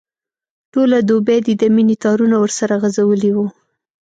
ټوله دوبي دي د مینې تارونه ورسره غځولي وو.